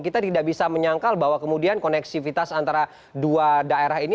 kita tidak bisa menyangkal bahwa kemudian koneksivitas antara dua daerah ini